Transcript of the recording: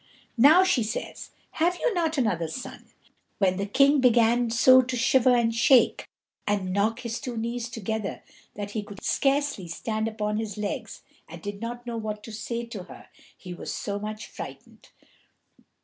Now she says, "Have you not another son?" when the King began so to shiver and shake and knock his two knees together that he could scarcely stand upon his legs, and did not know what to say to her, he was so much frightened.